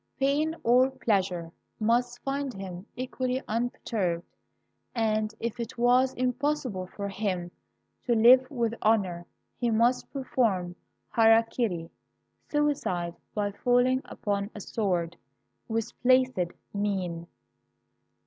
Pain or pleasure must find him equally unperturbed, and if it was impossible for him to live with honor he must perform hara kiri (suicide by falling upon a sword) with placid mien.